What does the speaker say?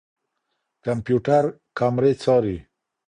کمپيوټر کامرې څاري.